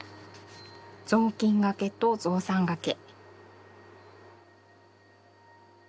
「ぞうきんがけとぞうさんがけ」。